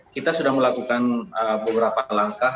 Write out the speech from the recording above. kita sudah melakukan beberapa langkah